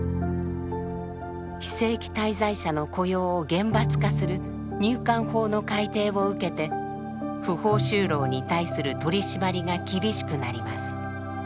非正規滞在者の雇用を厳罰化する入管法の改定を受けて不法就労に対する取締りが厳しくなります。